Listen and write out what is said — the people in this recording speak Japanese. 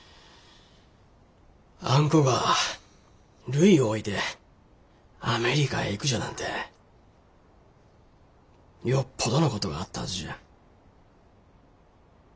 あんこがるいを置いてアメリカへ行くじゃなんてよっぽどのことがあったはずじゃ。